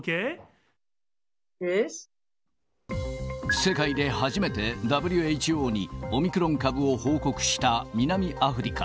世界で初めてＷＨＯにオミクロン株を報告した南アフリカ。